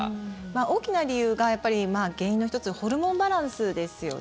大きな理由が原因の１つホルモンバランスですよね。